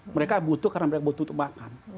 mereka butuh karena mereka butuh untuk makan